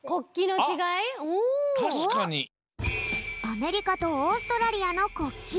アメリカとオーストラリアの国旗。